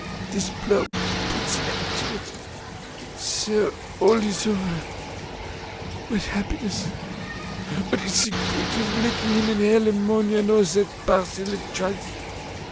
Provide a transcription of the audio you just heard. This blow puts an end to it. So all is over, what happiness! What is the good of making him inhale ammonia and all that parcel of drugs?